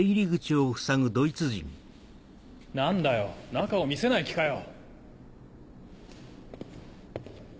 何だよ中を見せない気かよ。